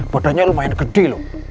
badannya lumayan gede loh